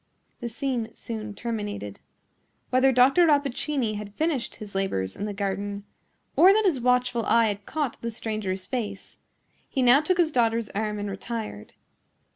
The scene soon terminated. Whether Dr. Rappaccini had finished his labors in the garden, or that his watchful eye had caught the stranger's face, he now took his daughter's arm and retired.